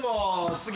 好き。